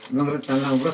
menurut tanggung jawab